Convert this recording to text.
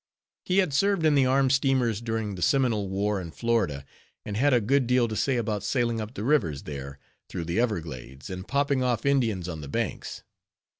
He had served in the armed steamers during the Seminole War in Florida, and had a good deal to say about sailing up the rivers there, through the everglades, and popping off Indians on the banks.